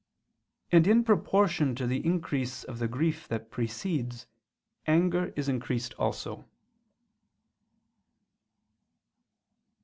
And in proportion to the increase of the grief that precedes, anger is increased also.